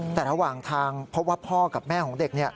แต่ระหว่างทางพบว่าพ่อกับแม่ของเด็ก